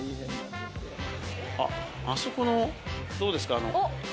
あっ、あそこの、どうですか、あの。